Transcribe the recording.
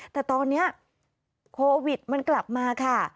แต่ตอนนี้โควิดมันกลับมาค่ะ